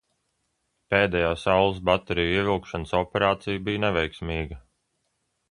Pēdējā saules bateriju ievilkšanas operācija bija neveiksmīga.